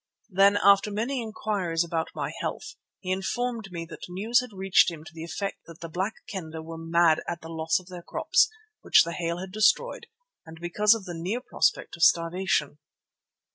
Then, after many inquiries about my health, he informed me that news had reached him to the effect that the Black Kendah were mad at the loss of their crops which the hail had destroyed and because of the near prospect of starvation.